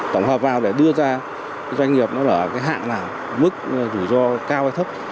tổng hợp vào để đưa ra doanh nghiệp nó ở cái hạng nào mức rủi ro cao hay thấp